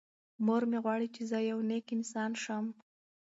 مور مې غواړي چې زه یو نېک انسان شم.